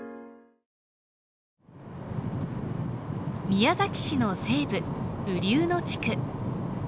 宮崎市の西部瓜生野地区。